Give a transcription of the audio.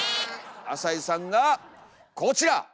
朝井さんがこちら！